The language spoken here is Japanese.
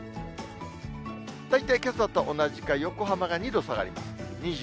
大体けさと同じか、横浜が２度下がります。